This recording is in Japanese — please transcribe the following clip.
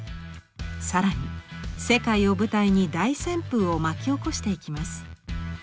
更に世界を舞台に大旋風を巻き起こしていきます。